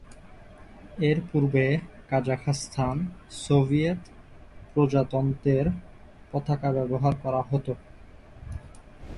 এর পূর্বে Kazakhstan Soviet প্রজাতন্ত্রের পতাকা ব্যবহার করা হতো।